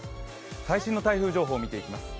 最新の台風情報見ていきます。